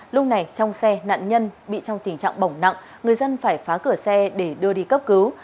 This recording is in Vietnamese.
lúc này trong xe nạn nhân bị trong tình trạng bỏng nặng người dân phải phá cửa xe để đưa đi cấp cứu